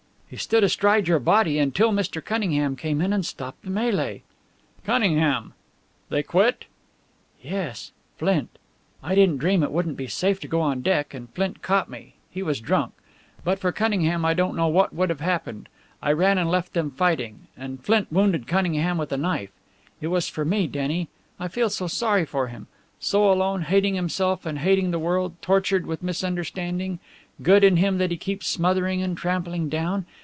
"He stood astride your body until Mr. Cunningham came in and stopped the mêlée." "Cunningham! They quit?" "Yes Flint. I didn't dream it wouldn't be safe to go on deck, and Flint caught me. He was drunk. But for Cunningham, I don't know what would have happened. I ran and left them fighting, and Flint wounded Cunningham with a knife. It was for me, Denny. I feel so sorry for him! So alone, hating himself and hating the world, tortured with misunderstanding good in him that he keeps smothering and trampling down.